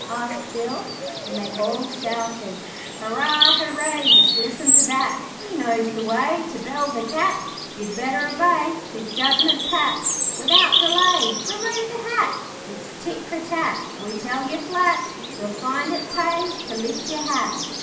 asked Bill, and they all shouted 'Hurrah! hurray! Just listen to that; He knows the way To bell the cat. You'd better obey His judgement pat, 'Without delay Remove the hat; It's tit for tat, We tell you flat, You'll find it pay To lift your hat.